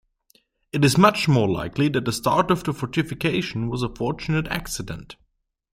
It is much more likely that the start of fortification was a fortunate accident.